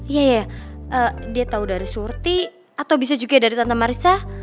iya ya dia tau dari surti atau bisa juga dari tante marissa